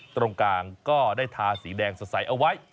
ตรงกลางก็ได้ทาสีแดงสดใสเอาไว้